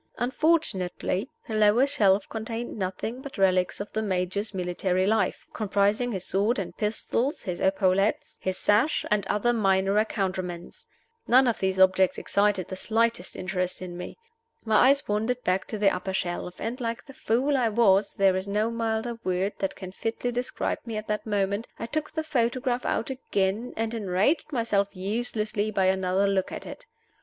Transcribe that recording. Unfortunately, the lower shelf contained nothing but relics of the Major's military life, comprising his sword and pistols, his epaulets, his sash, and other minor accouterments. None of these objects excited the slightest interest in me. My eyes wandered back to the upper shelf; and, like the fool I was (there is no milder word that can fitly describe me at that moment), I took the photograph out again, and enraged myself uselessly by another look at it.